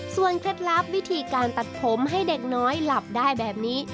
เคล็ดลับวิธีการตัดผมให้เด็กน้อยหลับได้แบบนี้